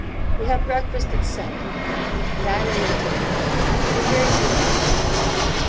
We have breakfast at seven. And I lay the table. It is very beautiful in the morning.